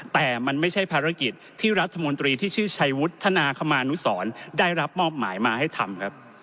แต่มันไม่ใช่ภารกิจที่รัฐมนตรีที่ชื่อชัยวุฒนาคมานุสรได้รับมอบหมายมาให้ทำครับ